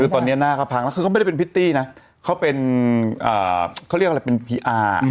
คือตอนนี้หน้าเขาพังแล้วคือเขาไม่ได้เป็นพริตตี้นะเขาเป็นเขาเรียกอะไรเป็นพีอาร์